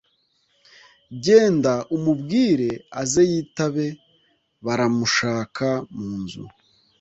genda umubwire aze yitabe bara mushaka munzu